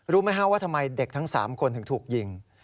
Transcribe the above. รู้ไหมฮะว่าทำไมเด็กทั้ง๓คนถึงถูกยิง